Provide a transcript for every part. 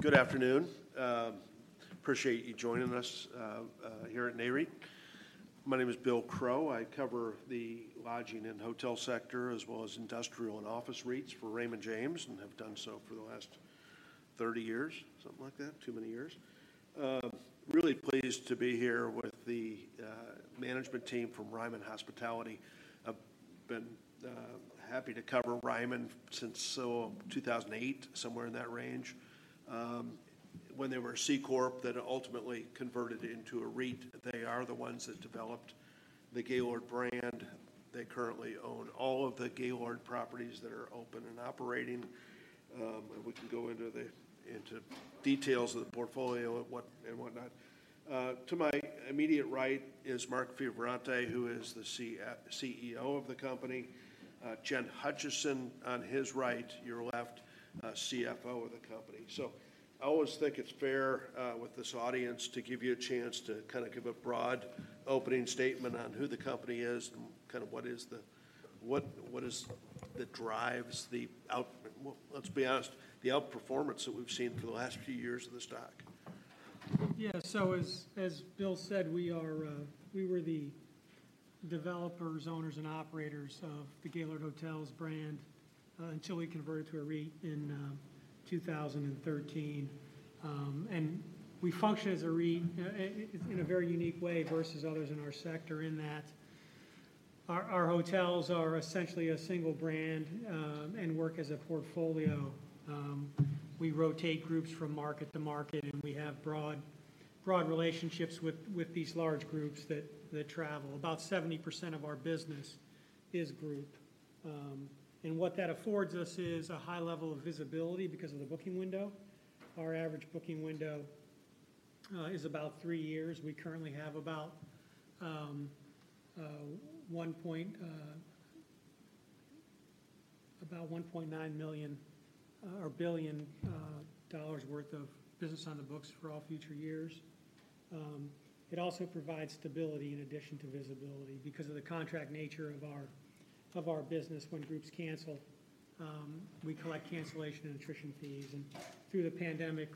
Good afternoon. Appreciate you joining us here at NAREIT. My name is Bill Crow. I cover the lodging and hotel sector, as well as industrial and office REITs for Raymond James, and have done so for the last 30 years, something like that, too many years. Really pleased to be here with the management team from Ryman Hospitality. I've been happy to cover Ryman since, 2008, somewhere in that range, when they were a C corp that ultimately converted into a REIT. They are the ones that developed the Gaylord brand. They currently own all of the Gaylord properties that are open and operating. And we can go into into details of the portfolio and what and whatnot. To my immediate right is Mark Fioravanti, who is the CEO of the company. Jennifer Hutcheson, on his right, your left, CFO of the company. So I always think it's fair, with this audience, to give you a chance to kind of give a broad opening statement on who the company is and kind of what is that drives the outperformance, well, let's be honest, the outperformance that we've seen through the last few years of the stock. Yeah. So as, as Bill said, we are, we were the developers, owners, and operators of the Gaylord Hotels brand, until we converted to a REIT in 2013. And we function as a REIT in a very unique way versus others in our sector, in that our, our hotels are essentially a single brand, and work as a portfolio. We rotate groups from market to market, and we have broad, broad relationships with these large groups that, that travel. About 70% of our business is group. And what that affords us is a high level of visibility because of the booking window. Our average booking window is about three years. We currently have about $1.9 billion worth of business on the books for all future years. It also provides stability in addition to visibility. Because of the contract nature of our business, when groups cancel, we collect cancellation and attrition fees. And through the pandemic,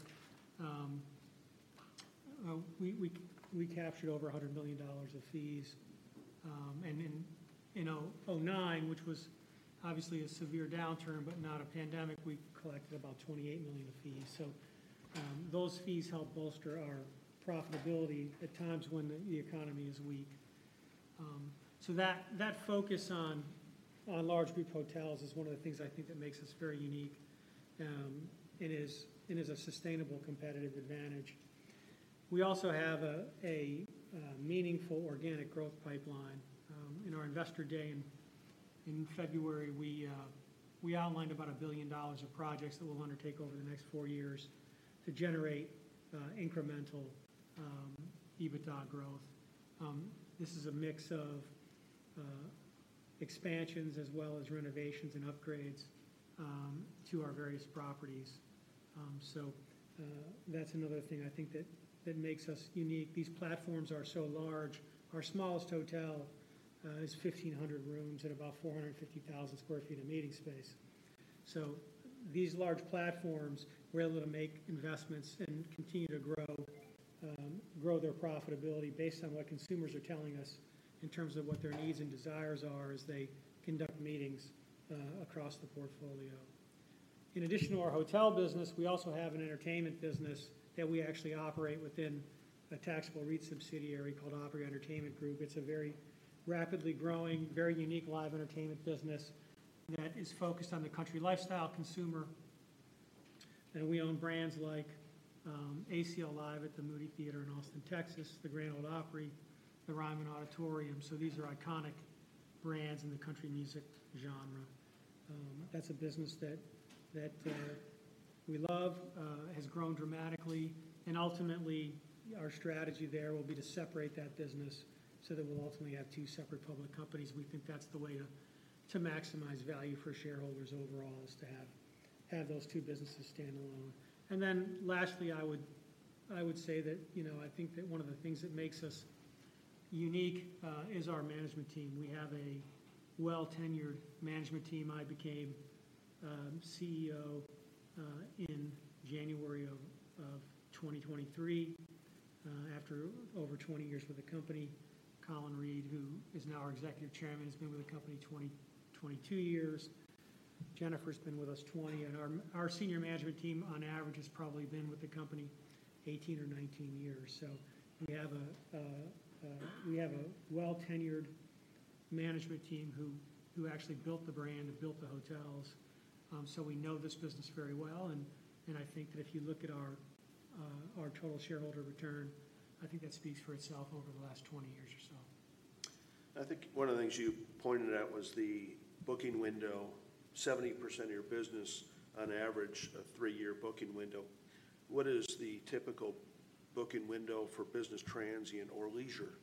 we captured over $100 million of fees. And in 2009, which was obviously a severe downturn but not a pandemic, we collected about $28 million of fees. So, those fees help bolster our profitability at times when the economy is weak. So that focus on large group hotels is one of the things I think that makes us very unique, and it is a sustainable competitive advantage. We also have a meaningful organic growth pipeline. In our Investor Day in February, we outlined about $1 billion of projects that we'll undertake over the next 4 years to generate incremental EBITDA growth. This is a mix of expansions as well as renovations and upgrades to our various properties. So, that's another thing I think that makes us unique. These platforms are so large. Our smallest hotel is 1,500 rooms and about 450,000 sq ft of meeting space. So these large platforms, we're able to make investments and continue to grow their profitability based on what consumers are telling us in terms of what their needs and desires are as they conduct meetings across the portfolio. In addition to our hotel business, we also have an entertainment business that we actually operate within a taxable REIT subsidiary called Opry Entertainment Group. It's a very rapidly growing, very unique live entertainment business that is focused on the country lifestyle consumer. And we own brands like, ACL Live at the Moody Theater in Austin, Texas, the Grand Ole Opry, the Ryman Auditorium, so these are iconic brands in the country music genre. That's a business that we love, has grown dramatically, and ultimately, our strategy there will be to separate that business so that we'll ultimately have two separate public companies. We think that's the way to maximize value for shareholders overall, is to have those two businesses stand alone. Lastly, I would say that, you know, I think that one of the things that makes us unique is our management team. We have a well-tenured management team. I became CEO in January of 2023 after over 20 years with the company. Colin Reed, who is now our Executive Chairman, has been with the company 22 years. Jennifer's been with us 20, and our senior management team, on average, has probably been with the company 18 or 19 years. So we have a well-tenured management team who actually built the brand and built the hotels. So we know this business very well, and I think that if you look at our total shareholder return, I think that speaks for itself over the last 20 years or so. I think one of the things you pointed out was the booking window. 70% of your business, on average, a three-year booking window. What is the typical booking window for business transient or leisure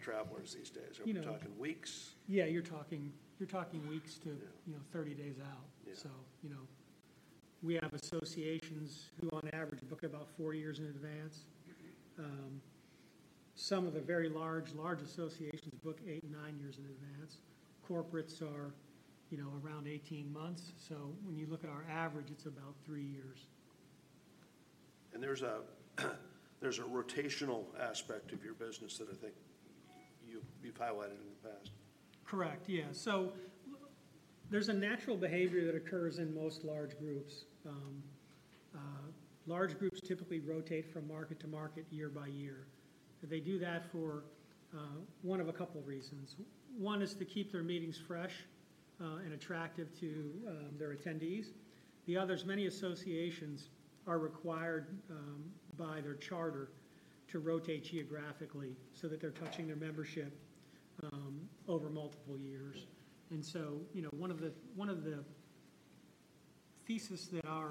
travelers these days? Are we talking weeks? Yeah, you're talking weeks to you know, 30 days out. So, you know, we have associations who, on average, book about four years in advance. Some of the very large, large associations book eight, nine years in advance. Corporates are, you know, around 18 months. So when you look at our average, it's about three years. There's a rotational aspect of your business that I think you've highlighted in the past. Correct, yeah. So there's a natural behavior that occurs in most large groups. Large groups typically rotate from market to market, year by year. They do that for one of a couple reasons. One is to keep their meetings fresh and attractive to their attendees. The other is many associations are required by their charter to rotate geographically so that they're touching their membership over multiple years. And so, you know, one of the thesis that our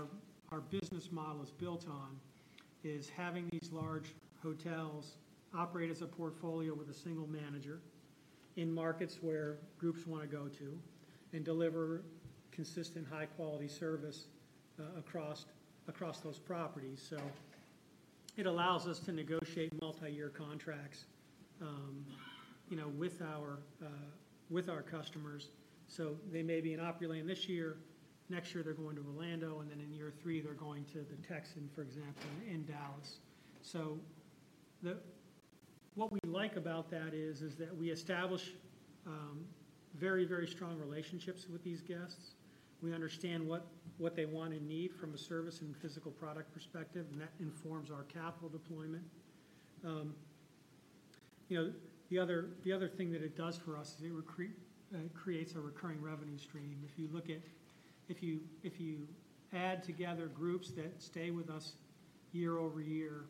business model is built on is having these large hotels operate as a portfolio with a single manager in markets where groups wanna go to and deliver consistent, high-quality service across those properties. So it allows us to negotiate multi-year contracts, you know, with our customers. So they may be in Opryland this year, next year they're going to Orlando, and then in year three, they're going to the Texan, for example, in Dallas. So what we like about that is that we establish very, very strong relationships with these guests. We understand what they want and need from a service and physical product perspective, and that informs our capital deployment. You know, the other thing that it does for us is it creates a recurring revenue stream. If you look at. If you, if you add together groups that stay with us year-over-year,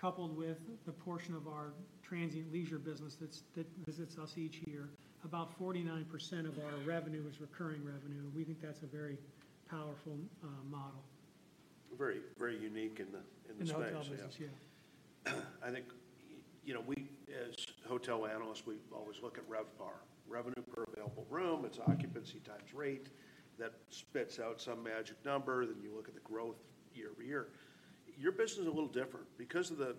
coupled with the portion of our transient leisure business that's that visits us each year, about 49% of our revenue is recurring revenue, and we think that's a very powerful model. Very, very unique in the space. I think, you know, we, as hotel analysts, we always look at RevPAR, Revenue Per Available Room. It's occupancy times rate that spits out some magic number, then you look at the growth year-over-year. Your business is a little different. Because of the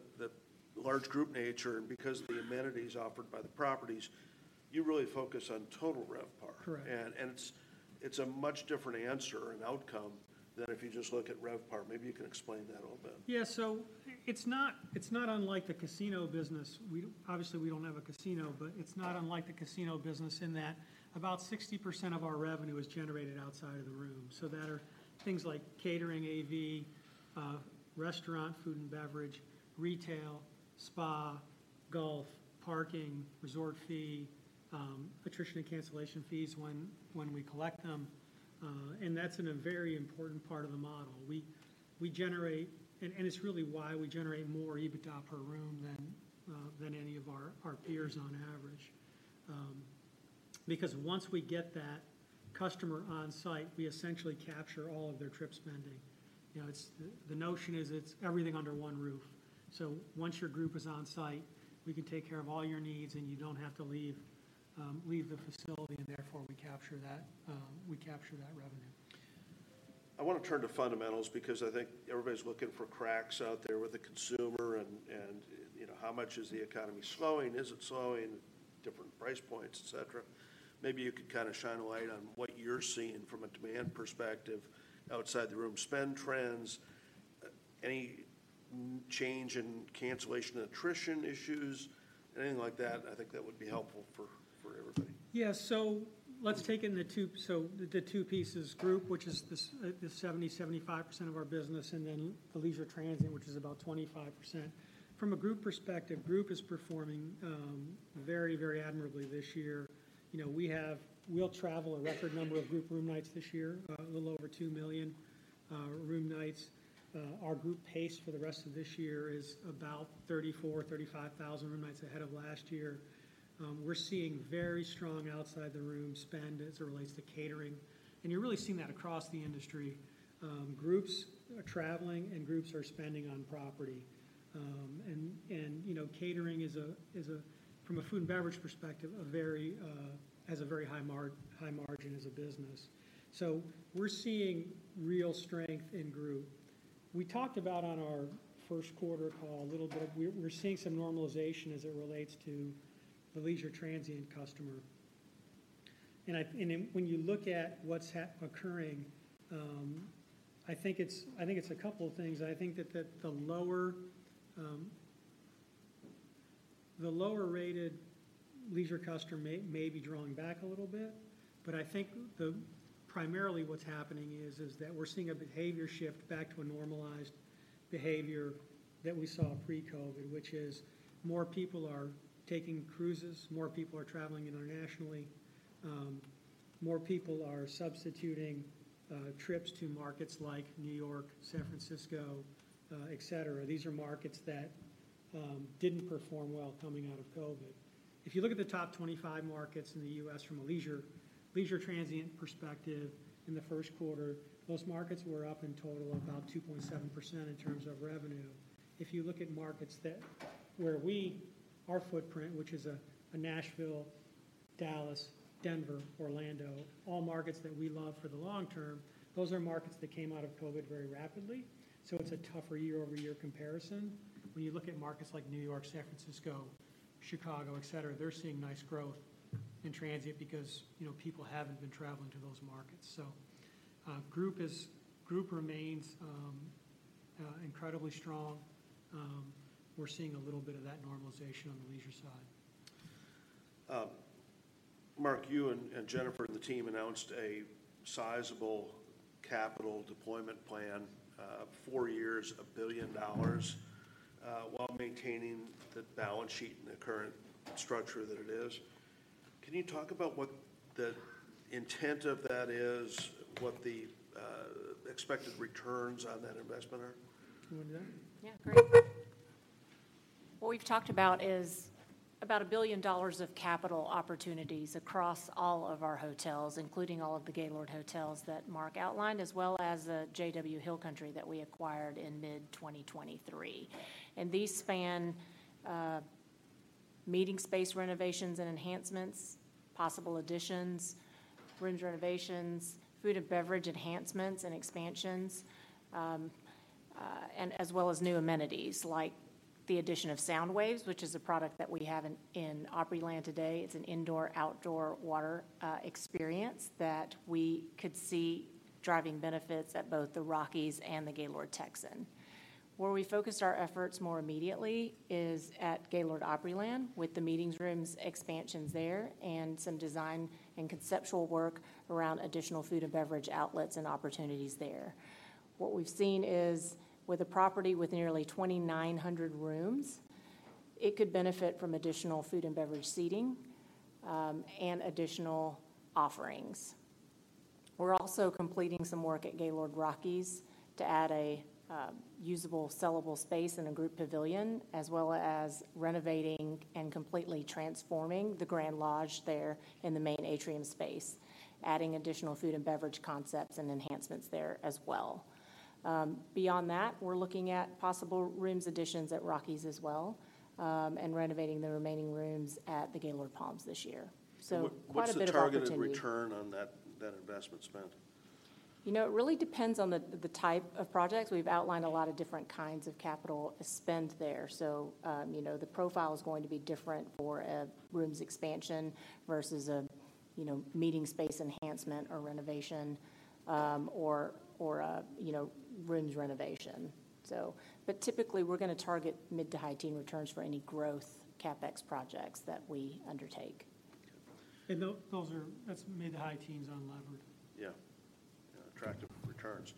large group nature and because of the amenities offered by the properties, you really focus on total RevPAR. And it's a much different answer and outcome than if you just look at RevPAR. Maybe you can explain that a little bit. Yeah. So it's not, it's not unlike the casino business. We obviously don't have a casino, but it's not unlike the casino business in that about 60% of our revenue is generated outside of the room. So that are things like catering, AV, restaurant, food and beverage, retail, spa, golf, parking, resort fee, attrition and cancellation fees when we collect them, and that's a very important part of the model. And it's really why we generate more EBITDA per room than any of our peers on average. Because once we get that customer on-site, we essentially capture all of their trip spending. You know, it's the notion is it's everything under one roof. So once your group is on-site, we can take care of all your needs, and you don't have to leave the facility, and therefore, we capture that revenue. I wanna turn to fundamentals because I think everybody's looking for cracks out there with the consumer, and you know, how much is the economy slowing? Is it slowing? Different price points, etc. Maybe you could kinda shine a light on what you're seeing from a demand perspective outside the room spend trends. Any change in cancellation, attrition issues, anything like that, I think that would be helpful for everybody. Yeah. So let's take it in the two pieces: group, which is the 75% of our business, and then the leisure transient, which is about 25%. From a group perspective, group is performing very, very admirably this year. You know, we'll travel a record number of group room nights this year, a little over 2 million room nights. Our group pace for the rest of this year is about 34,000-35,000 room nights ahead of last year. We're seeing very strong outside the room spend as it relates to catering, and you're really seeing that across the industry. Groups are traveling, and groups are spending on property. And you know, catering is from a food and beverage perspective a very high margin as a business. So we're seeing real strength in group. We talked about on our first quarter call a little bit, we're seeing some normalization as it relates to the leisure transient customer. And when you look at what's occurring, I think it's a couple of things. I think that the lower-rated leisure customer may be drawing back a little bit. But I think the primarily, what's happening is that we're seeing a behavior shift back to a normalized behavior that we saw pre-COVID, which is more people are taking cruises, more people are traveling internationally, more people are substituting trips to markets like New York, San Francisco, etc. These are markets that didn't perform well coming out of COVID. If you look at the top 25 markets in the U.S. from a leisure transient perspective, in the first quarter, those markets were up in total about 2.7% in terms of revenue. If you look at markets that, where we, our footprint, which is a Nashville, Dallas, Denver, Orlando, all markets that we love for the long-term, those are markets that came out of COVID very rapidly, so it's a tougher year-over-year comparison. When you look at markets like New York, San Francisco, Chicago, etc., they're seeing nice growth in transient because, you know, people haven't been traveling to those markets. So, group remains incredibly strong. We're seeing a little bit of that normalization on the leisure side. Mark, you and Jennifer and the team announced a sizable capital deployment plan, four years, $1 billion, while maintaining the balance sheet and the current structure that it is. Can you talk about what the intent of that is, what the expected returns on that investment are? You want to do that? Yeah, great. What we've talked about is about $1 billion of capital opportunities across all of our hotels, including all of the Gaylord hotels that Mark outlined, as well as the JW Hill Country that we acquired in mid-2023. These span meeting space renovations and enhancements, possible additions, rooms renovations, food and beverage enhancements and expansions, and as well as new amenities, like the addition of SoundWaves, which is a product that we have in Opryland today. It's an indoor-outdoor water experience that we could see driving benefits at both the Rockies and the Gaylord Texan. Where we focused our efforts more immediately is at Gaylord Opryland, with the meeting rooms expansions there and some design and conceptual work around additional food and beverage outlets and opportunities there. What we've seen is, with a property with nearly 2,900 rooms, it could benefit from additional food and beverage seating, and additional offerings. We're also completing some work at Gaylord Rockies to add a usable, sellable space and a group pavilion, as well as renovating and completely transforming the Grand Lodge there in the main atrium space, adding additional food and beverage concepts and enhancements there as well. Beyond that, we're looking at possible rooms additions at Rockies as well, and renovating the remaining rooms at the Gaylord Palms this year. So quite a bit of opportunity. What's the targeted return on that investment spend? You know, it really depends on the type of projects. We've outlined a lot of different kinds of capital spend there. So, you know, the profile is going to be different for a rooms expansion versus a you know, meeting space enhancement or renovation, or a you know, rooms renovation. So but typically, we're gonna target mid- to high-teen returns for any growth CapEx projects that we undertake. That's mid to high teens on levered. Yeah. Attractive returns.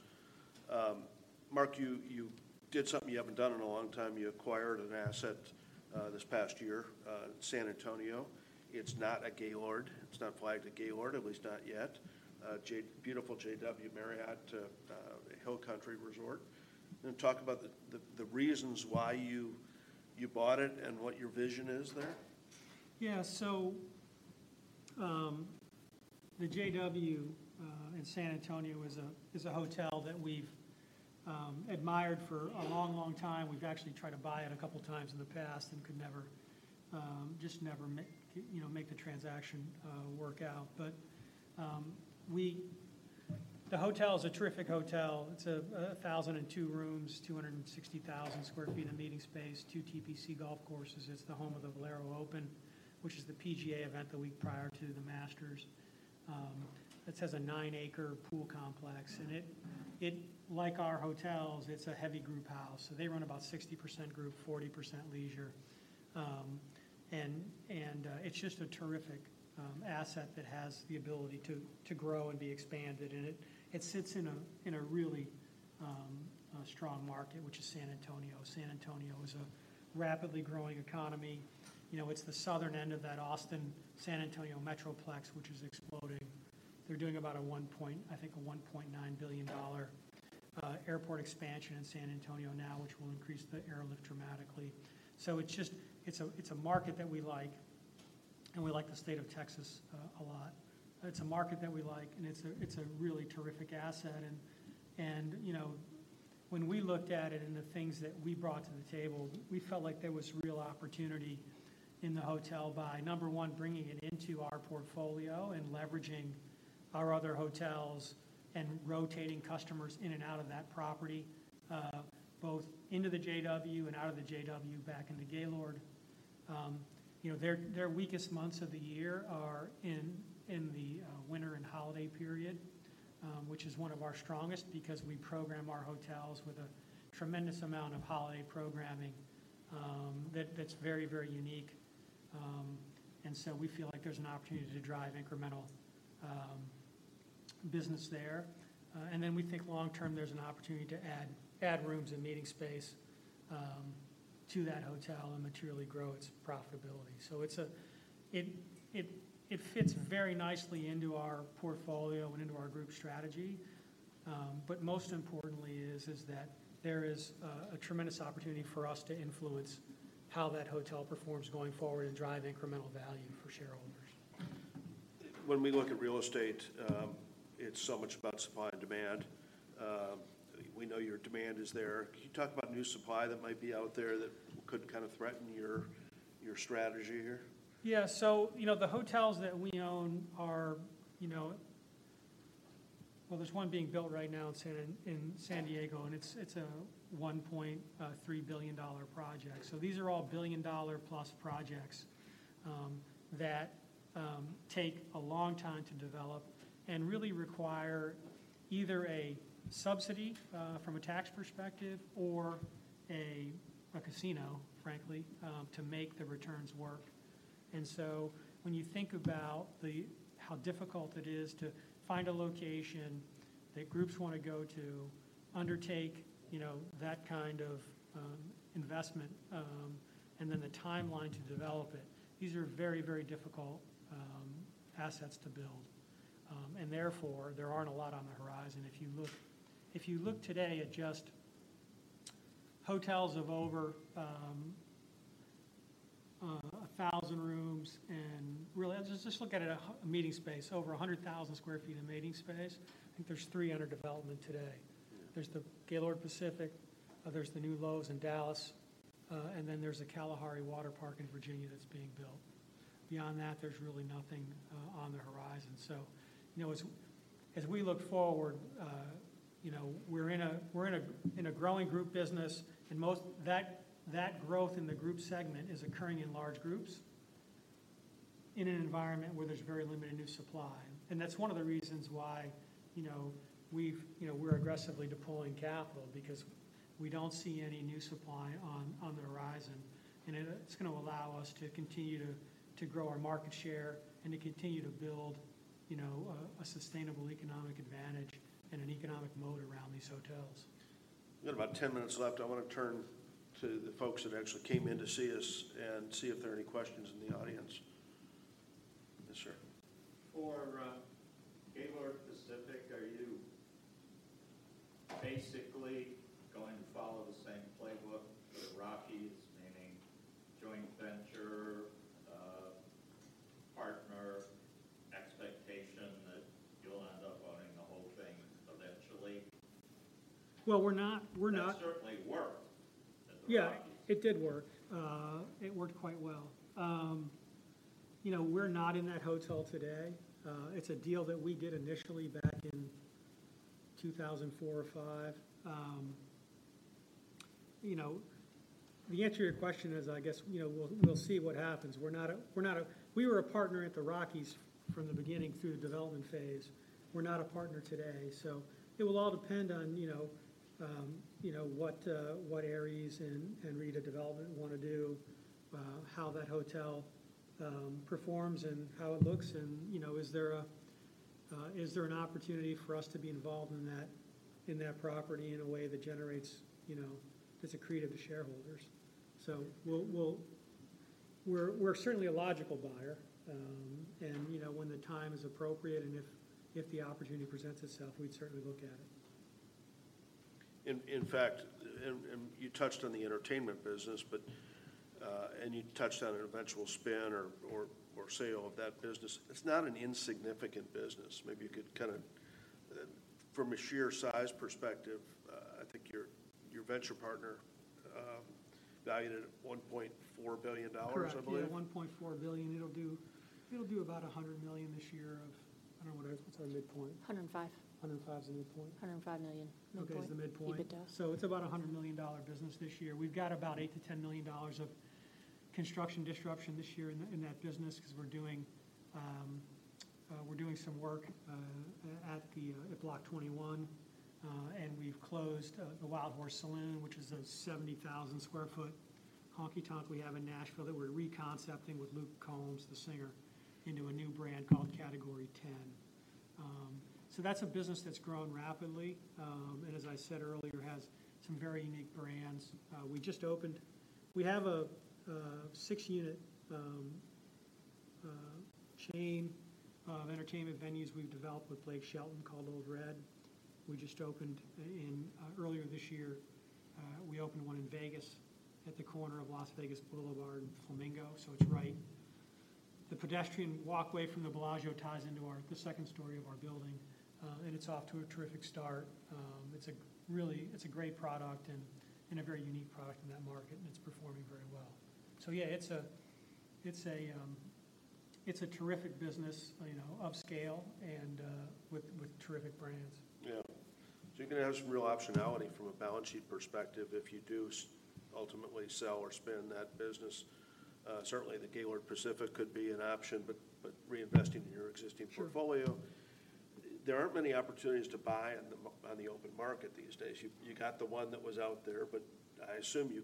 Mark, you did something you haven't done in a long time. You acquired an asset this past year, San Antonio. It's not a Gaylord. It's not flagged a Gaylord, at least not yet. Just beautiful JW Marriott Hill Country Resort. Can you talk about the reasons why you bought it and what your vision is there? Yeah. So, the JW in San Antonio is a hotel that we've admired for a long, long time. We've actually tried to buy it a couple times in the past and could never, you know, make the transaction work out. But, the hotel is a terrific hotel. It's a 1,002 rooms, 260,000 sq ft of meeting space, 2 TPC golf courses. It's the home of the Valero Texas Open, which is the PGA event the week prior to the Masters. It has a 9-acre pool complex, and it like our hotels, it's a heavy group house. So they run about 60% group, 40% leisure. It's just a terrific asset that has the ability to grow and be expanded, and it sits in a really strong market, which is San Antonio. San Antonio is a rapidly growing economy. You know, it's the southern end of that Austin-San Antonio metroplex, which is exploding. They're doing about a $1.9 billion airport expansion in San Antonio now, which will increase the airlift dramatically. So it's just, it's a market that we like, and we like the state of Texas a lot. It's a market that we like, and it's a really terrific asset. You know, when we looked at it and the things that we brought to the table, we felt like there was real opportunity in the hotel buy. Number one, bringing it into our portfolio and leveraging our other hotels and rotating customers in and out of that property, both into the JW and out of the JW, back in the Gaylord. You know, their weakest months of the year are in the winter and holiday period, which is one of our strongest because we program our hotels with a tremendous amount of holiday programming, that's very, very unique. And so we feel like there's an opportunity to drive incremental business there. And then we think long-term, there's an opportunity to add rooms and meeting space to that hotel and materially grow its profitability. So it fits very nicely into our portfolio and into our group strategy. But most importantly is that there is a tremendous opportunity for us to influence how that hotel performs going forward and drive incremental value for shareholders. When we look at real estate, it's so much about supply and demand. We know your demand is there. Can you talk about new supply that might be out there that could kind of threaten your strategy here? Yeah. So, you know, the hotels that we own are, you know, well, there's one being built right now in San Diego, and it's a $1.3 billion project. So these are all $1+ billion projects that take a long time to develop and really require either a subsidy from a tax perspective or a casino, frankly, to make the returns work. And so when you think about how difficult it is to find a location that groups want to go to, undertake, you know, that kind of investment, and then the timeline to develop it, these are very, very difficult assets to build. And therefore, there aren't a lot on the horizon. If you look, if you look today at just hotels of over 1,000 rooms, and really, let's just, just look at it, a meeting space over 100,000 sq ft of meeting space, I think there's 3 under development today. There's the Gaylord Pacific, there's the new Loews in Dallas, and then there's the Kalahari Waterpark in Virginia that's being built. Beyond that, there's really nothing on the horizon. So, you know, as, as we look forward, you know, we're in a growing group business, and that growth in the group segment is occurring in large groups in an environment where there's very limited new supply, and that's one of the reasons why, you know, we're aggressively deploying capital because we don't see any new supply on, on the horizon. And it, it's gonna allow us to continue to grow our market share and to continue to build, you know a sustainable economic advantage and an economic moat around these hotels. We've got about 10 minutes left. I want to turn to the folks that actually came in to see us and see if there are any questions in the audience. Yes, sir. For Gaylord Pacific, are you basically going to follow the same playbook for the Rockies, meaning joint venture, partner, expectation that you'll end up owning the whole thing eventually? Well, we're not. [That certainly worked at the Rockies.] Yeah, it did work. It worked quite well. You know, we're not in that hotel today. It's a deal that we did initially back in 2004 or 2005. You know, the answer to your question is, I guess, you know, we'll see what happens. We were a partner at the Rockies from the beginning through the development phase. We're not a partner today, so it will all depend on, you know, what Ares and RIDA Development want to do, how that hotel performs and how it looks and, you know, is there an opportunity for us to be involved in that property in a way that generates, you know, that's accretive to shareholders? So we're certainly a logical buyer. You know, when the time is appropriate and if the opportunity presents itself, we'd certainly look at it. In fact, and you touched on the entertainment business, but. And you touched on an eventual spin or sale of that business. It's not an insignificant business. Maybe you could kinda, from a sheer size perspective, I think your venture partner valued it at $1.4 billion roughly? Correct. Yeah, $1.4 billion. It'll do, it'll do about $100 million this year of, I don't know what our, what's our midpoint? $105 million. $105 million is the midpoint? $105 million. Okay, is the midpoint. EBITDA. So it's about $100 million business this year. We've got about $8 million-$10 million of construction disruption this year in that business, because we're doing some work at Block 21. And we've closed the Wildhorse Saloon, which is a 70,000 sq ft honky-tonk we have in Nashville that we're reconcepting with Luke Combs, the singer, into a new brand called Category 10. So that's a business that's grown rapidly, and as I said earlier, has some very unique brands. We have a 6-unit chain of entertainment venues we've developed with Blake Shelton called Ole Red. We just opened in earlier this year, we opened one in Vegas at the corner of Las Vegas Boulevard and Flamingo, so it's right. The pedestrian walkway from the Bellagio ties into our, the second story of our building, and it's off to a terrific start. It's a really, it's a great product and a very unique product in that market, and it's performing very well. So yeah, it's a terrific business, you know, upscale and, with terrific brands. Yeah. So you're gonna have some real optionality from a balance sheet perspective if you do ultimately sell or spin that business. Certainly the Gaylord Pacific could be an option, but, but reinvesting in your existing portfolio. There aren't many opportunities to buy on the open market these days. You got the one that was out there, but I assume you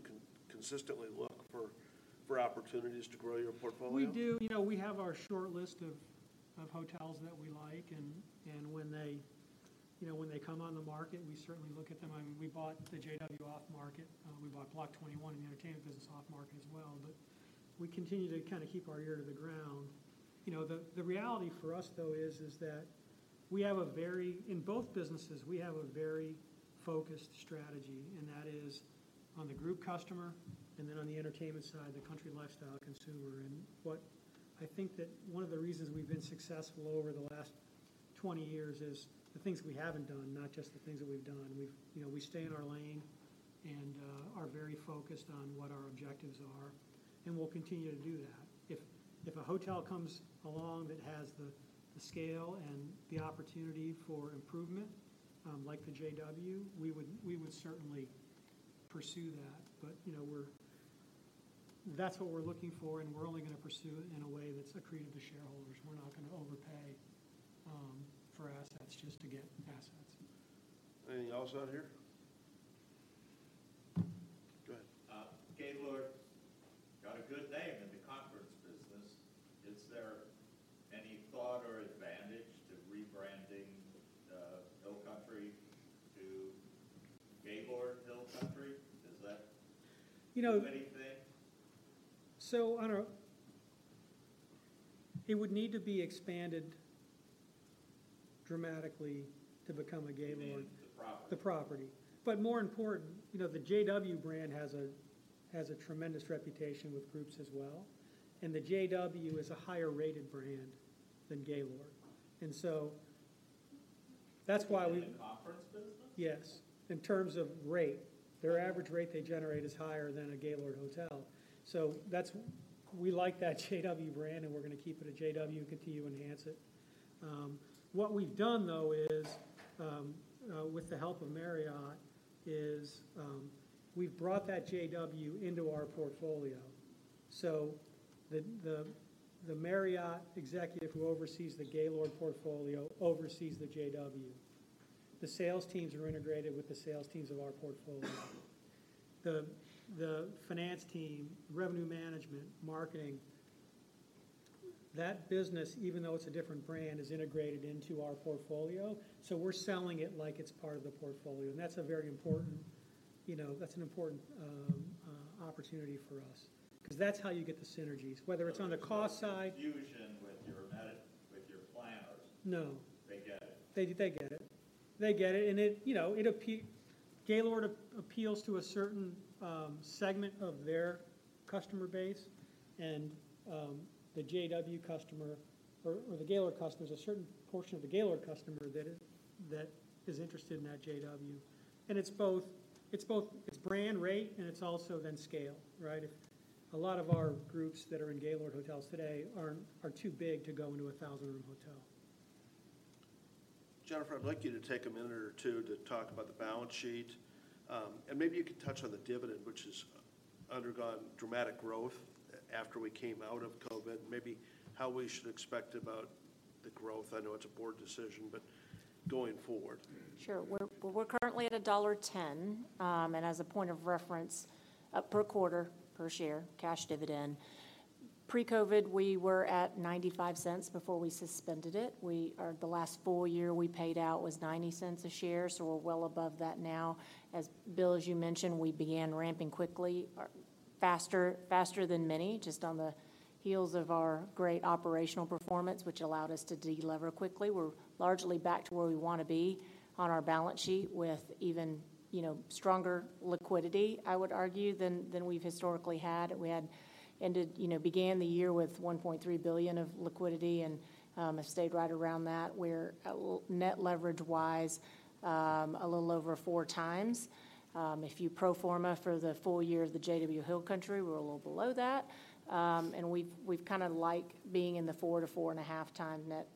consistently look for opportunities to grow your portfolio. We do. You know, we have our short list of hotels that we like, and when they come on the market, we certainly look at them. I mean, we bought the JW off market. We bought Block 21 in the entertainment business off market as well, but we continue to kind of keep our ear to the ground. You know, the reality for us though is that in both businesses, we have a very focused strategy, and that is on the group customer, and then on the entertainment side, the country lifestyle consumer. And I think that one of the reasons we've been successful over the last 20 years is the things we haven't done, not just the things that we've done. We've, you know, we stay in our lane and are very focused on what our objectives are, and we'll continue to do that. If a hotel comes along that has the scale and the opportunity for improvement, like the JW, we would certainly pursue that. But, you know, that's what we're looking for, and we're only gonna pursue it in a way that's accretive to shareholders. We're not gonna overpay for assets just to get assets. Anything else out here? Go ahead. Gaylord got a good name in the conference business. Is there any thought or advantage to rebranding Hill Country to Gaylord Hill Country? Is that anything? I don't know. It would need to be expanded dramatically to become a Gaylord. The property. But more important, you know, the JW brand has a tremendous reputation with groups as well, and the JW is a higher-rated brand than Gaylord. Yes, in terms of rate. Their average rate they generate is higher than a Gaylord hotel. We like that JW brand, and we're gonna keep it a JW and continue to enhance it. What we've done though is, with the help of Marriott, is, we've brought that JW into our portfolio. So the Marriott executive who oversees the Gaylord portfolio oversees the JW. The sales teams are integrated with the sales teams of our portfolio. The finance team, revenue management, marketing, that business, even though it's a different brand, is integrated into our portfolio, so we're selling it like it's part of the portfolio, and you know, that's an important opportunity for us because that's how you get the synergies. [Fusion with your planners?] No. [They get it?] They get it. They get it, and it, you know, it appeals. Gaylord appeals to a certain segment of their customer base and the JW customer or the Gaylord customer. There's a certain portion of the Gaylord customer that is interested in that JW. And it's both, it's brand rate, and it's also then scale, right? If a lot of our groups that are in Gaylord hotels today are too big to go into a thousand-room hotel. Jennifer, I'd like you to take a minute or two to talk about the balance sheet. Maybe you could touch on the dividend, which has undergone dramatic growth after we came out of COVID, and maybe how we should expect about the growth. I know it's a board decision, but going forward. Sure. We're currently at $1.10, and as a point of reference, per quarter, per share, cash dividend. Pre-COVID, we were at $0.95 before we suspended it. Our last full year, we paid out was $0.90 a share, so we're well above that now. As Bill, as you mentioned, we began ramping quickly, faster, faster than many, just on the heels of our great operational performance, which allowed us to de-lever quickly. We're largely back to where we wanna be on our balance sheet with even, you know, stronger liquidity, I would argue, than we've historically had. We, you know, began the year with $1.3 billion of liquidity and have stayed right around that, where net leverage-wise, a little over 4x. If you pro forma for the full year of the JW Hill Country, we're a little below that. And we've kind of like being in the 4x-4.5x net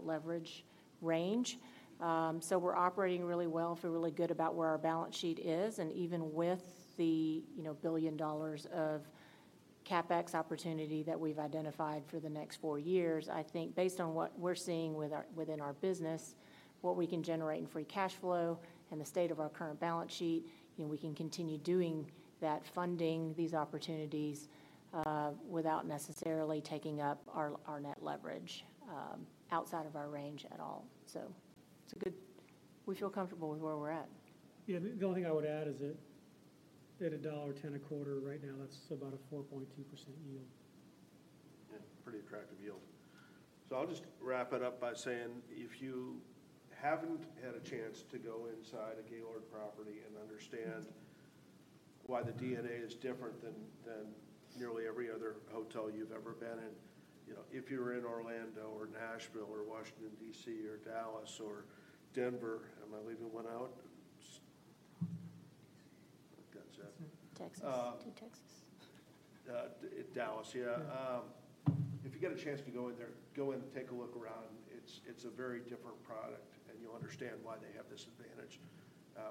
leverage range. So we're operating really well. Feel really good about where our balance sheet is, and even with the, you know, $1 billion of CapEx opportunity that we've identified for the next four years, I think based on what we're seeing within our business, what we can generate in free cash flow and the state of our current balance sheet, you know, we can continue doing that, funding these opportunities, without necessarily taking up our net leverage outside of our range at all. So it's a good. We feel comfortable with where we're at. Yeah, the only thing I would add is that at $1.10 a quarter right now, that's about a 4.2% yield. Yeah, pretty attractive yield. So I'll just wrap it up by saying if you haven't had a chance to go inside a Gaylord property and understand why the DNA is different than nearly every other hotel you've ever been in, you know, if you're in Orlando or Nashville or Washington, D.C. or Dallas or Denver, am I leaving one out? Texas. Dallas, yeah. If you get a chance to go in there, go in and take a look around. It's a very different product, and you'll understand why they have this advantage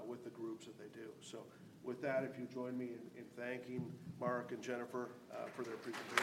with the groups that they do. So with that, if you join me in thanking Mark and Jennifer for their presentation.